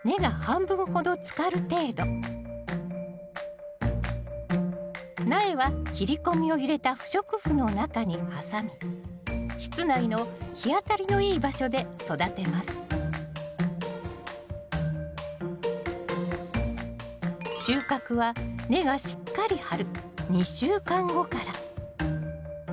目安は苗は切り込みを入れた不織布の中に挟み室内の日当たりのいい場所で育てます収穫は根がしっかり張る２週間後から。